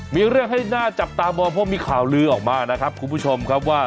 มีเรื่องให้น่าจับตามองเพราะมีข่าวลือออกมานะครับคุณผู้ชมครับว่า